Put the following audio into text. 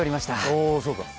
おうそうか！